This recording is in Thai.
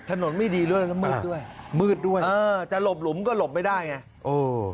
ถนนไม่ดีด้วยแล้วมืดด้วยมืดด้วยเออจะหลบหลุมก็หลบไม่ได้ไงเออ